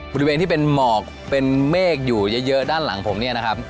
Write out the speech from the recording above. บริเวณที่เป็นหมอกเป็นเมฆอยู่เยอะด้านหลังผมเนี่ยนะครับ